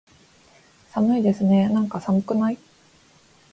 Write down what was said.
寒いですねーなんか、寒くない？